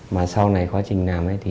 mà sau này quá trình làm